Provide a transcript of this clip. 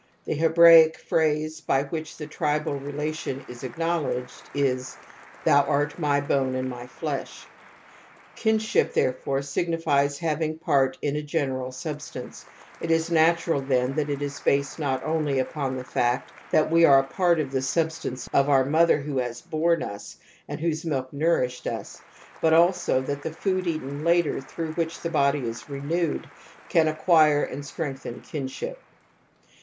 The Hebraic phrase by which the tribal relation is acknowledged is :" Thou art my bone and my flesh ". F^'n^hir thfrpfnrr Himj fies having part in a general sub stance . It is ° UuLtu'al Llien thai IL i& ba&ud iioL only upon the fact that we are a part of the substance of our mother^who has borne us, and whose milk nourished us, but also that the food eaten later through which the body is renewed, can acquire and strengthen kinship.